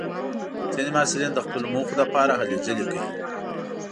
ځینې محصلین د خپلو موخو لپاره هلې ځلې کوي.